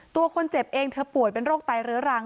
ตัวคนเจ็บเองเธอป่วยเป็นโรคไตเรื้อรัง